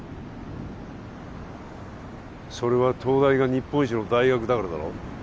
それは東大が日本一の大学だからだろ？